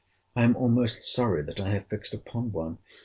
I am almost sorry, that I have fixed upon one.